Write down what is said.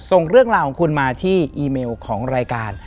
ส่งเรื่องราวของคุณมาที่อีเมลของรายการ